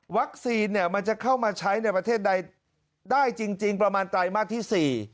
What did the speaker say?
วัคซีนเนี่ยมันจะเข้ามาใช้ในประเทศใดได้จริงประมาณ๓มากที่๔